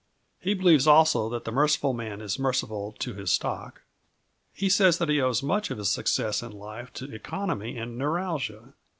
He believes also that the merciful man is merciful to his stock. He says he owes much of his success in life to economy and neuralgia.